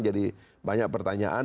jadi banyak pertanyaan